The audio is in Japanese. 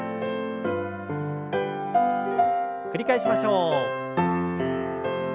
繰り返しましょう。